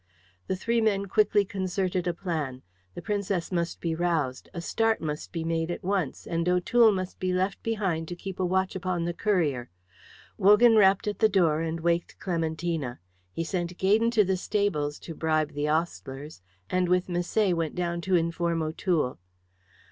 The three men quickly concerted a plan. The Princess must be roused; a start must be made at once; and O'Toole must be left behind to keep a watch upon the courier, Wogan rapped at the door and waked Clementina; he sent Gaydon to the stables to bribe the ostlers, and with Misset went down to inform O'Toole.